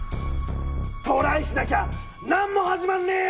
トライしなきゃ何も始まんねえよ！